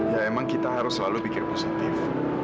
ya emang kita harus selalu pikir positif